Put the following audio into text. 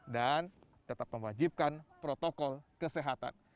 dan tetap memajibkan protokol kesehatan